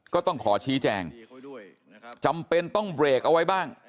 ก็ต้องขอชี้แจงจำเป็นต้องเบรกเอาไว้บ้าง